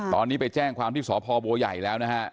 ตอนนี้ไปแจ้งความที่สพบัวใหญ่แล้วนะฮะ